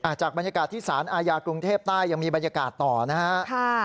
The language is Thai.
จากบรรยากาศที่สารอาญากรุงเทพใต้ยังมีบรรยากาศต่อนะฮะค่ะ